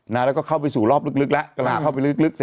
แล้วก็เข้าไปสู่รอบลึกแล้ว